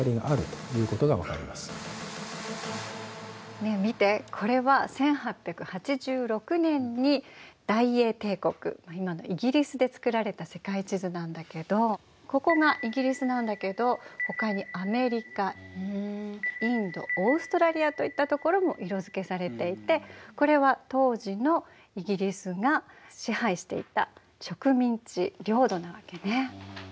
ねえ見てこれは１８８６年に大英帝国今のイギリスで作られた世界地図なんだけどここがイギリスなんだけどほかにアメリカインドオーストラリアといったところも色づけされていてこれは当時のイギリスが支配していた植民地領土なわけね。